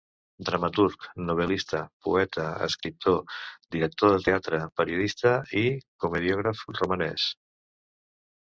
Dramaturg, novel·lista, poeta, escriptor, director de teatre, periodista i comediògraf romanès.